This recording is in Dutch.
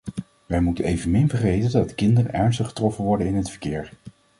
Wij moeten evenmin vergeten dat kinderen ernstig getroffen worden in het verkeer.